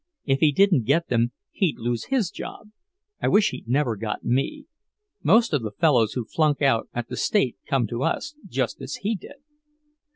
If he didn't get them he'd lose his job. I wish he'd never got me. Most of the fellows who flunk out at the State come to us, just as he did."